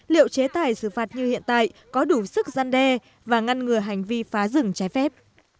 liệu chế tài xử phạt như hiện tại có đủ sức gian đe và ngăn ngừa hành vi phá rừng trái phép